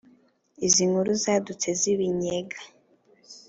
Izi nkuru zadutse zibinnyega